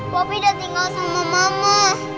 popi udah tinggal sama mama